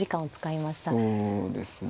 そうですね。